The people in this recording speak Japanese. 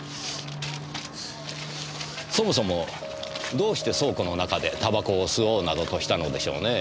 そもそもどうして倉庫の中で煙草を吸おうなどとしたのでしょうねぇ。